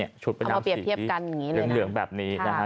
เอามาเปรียบเทียบกัน